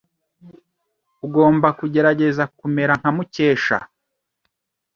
Ugomba kugerageza kumera nka Mukesha.